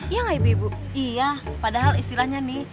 iya padahal istilahnya nih